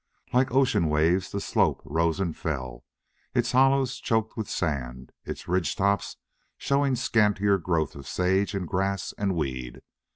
Like ocean waves the slope rose and fell, its hollows choked with sand, its ridge tops showing scantier growth of sage and grass and weed.